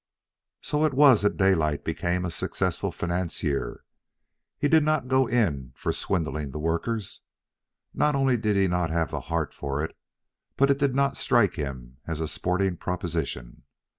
So it was that Daylight became a successful financier. He did not go in for swindling the workers. Not only did he not have the heart for it, but it did not strike him as a sporting proposition.